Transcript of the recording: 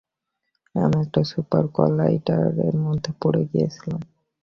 আমি একটা super collider এর মধ্যে পড়ে গিয়েছিলাম।